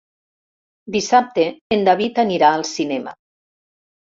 Dissabte en David anirà al cinema.